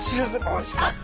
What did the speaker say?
おいしかった。